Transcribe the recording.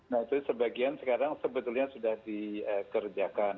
nah itu sebagian sekarang sebetulnya sudah dikerjakan